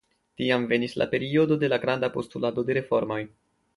Tiam venis la periodo de la granda postulado de reformoj.